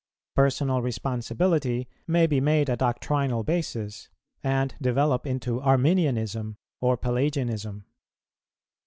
Personal responsibility may be made a doctrinal basis, and develope into Arminianism or Pelagianism.